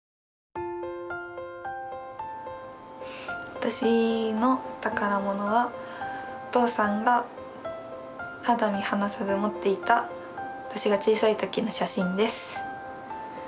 私の宝物はお父さんが肌身離さず持っていた私が小さい時の写真です。